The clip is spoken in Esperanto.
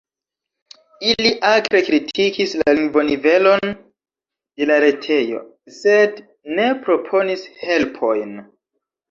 Ili akre kritikis la lingvonivelon de la retejo, sed ne proponis helpojn.